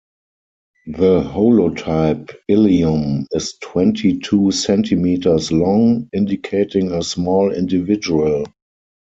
The holotype ilium is twenty-two centimetres long, indicating a small individual.